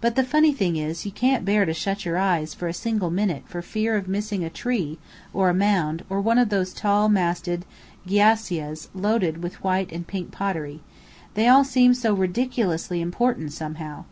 But the funny thing is, you can't bear to shut your eyes for a single minute for fear of missing a tree, or a mound, or one of those tall masted gyassas loaded with white and pink pottery: they all seem so ridiculously important, somehow!